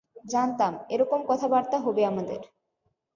জানতাম, এরকম কথাবার্তা হবে আমাদের!